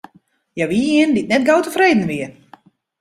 Hja wie ien dy't net gau tefreden wie.